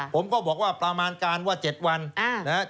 ผมก็บอกว่าประมาณการว่า๗วันนะครับ